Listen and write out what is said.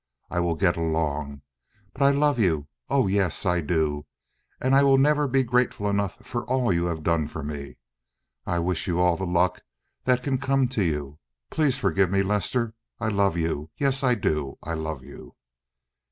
I will get along. But I love you—oh yes, I do—and I will never be grateful enough for all you have done for me. I wish you all the luck that can come to you. Please forgive me, Lester. I love you, yes, I do. I love you.